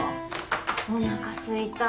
おなかすいた。